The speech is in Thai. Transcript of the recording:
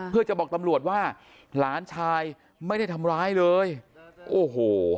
เพื่อจะบอกตำรวจว่าหลานชายไม่ได้ทำร้ายเลยโอ้โห